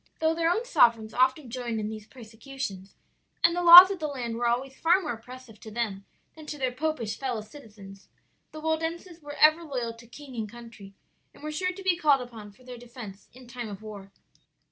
"Though their own sovereigns often joined in these persecutions, and the laws of the land were always far more oppressive to them than to their popish fellow citizens, the Waldenses were ever loyal to king and country and were sure to be called upon for their defence in time of war.